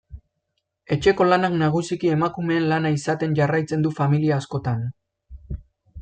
Etxeko lanak nagusiki emakumeen lana izaten jarraitzen du familia askotan.